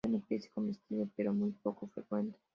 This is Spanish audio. Es una especie comestible, pero muy poco frecuente.